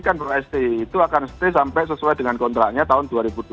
kan pro sti itu akan stay sampai sesuai dengan kontraknya tahun dua ribu dua puluh